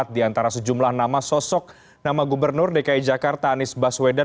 di antara sejumlah nama sosok nama gubernur dki jakarta anies baswedan